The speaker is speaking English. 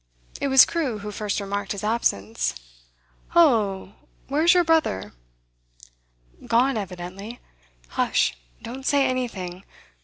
It was Crewe who first remarked his absence. 'Hollo! where's your brother?' 'Gone, evidently. Hush! Don't say anything.